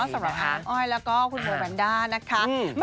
สำหรับอ้อยแล้วก็คุณโบราณด้านะคะ